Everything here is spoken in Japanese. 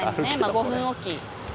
５分おき。